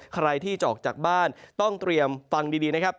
ใครที่จะออกจากบ้านต้องเตรียมฟังดีนะครับ